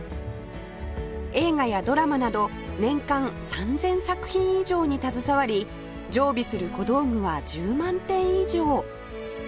映画やドラマなど年間３０００作品以上に携わり常備する小道具は１０万点以上